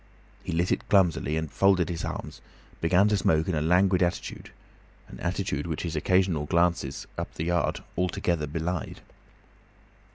He lit it clumsily, and folding his arms began to smoke in a languid attitude, an attitude which his occasional glances up the yard altogether belied.